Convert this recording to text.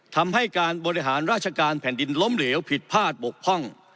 ทำให้การบริหารราชการแผ่นดินล้มเหลวผิดพลาดบกพร่อง